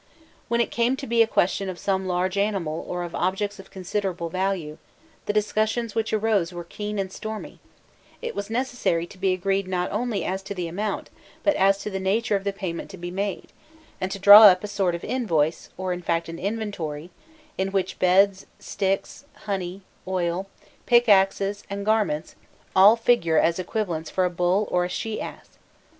When it came to be a question of some large animal or of objects of considerable value, the discussions which arose were keen and stormy: it was necessary to be agreed not only as to the amount, but as to the nature of the payment to be made, and to draw up a sort of invoice, or in fact an inventory, in which beds, sticks, honey, oil, pick axes, and garments, all figure as equivalents for a bull or a she ass.